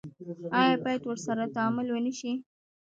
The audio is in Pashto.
آیا باید ورسره تعامل ونشي؟